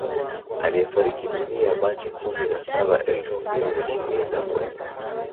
Aliyefariki dunia machi kumi na saba elfu mbili na ishirini na moja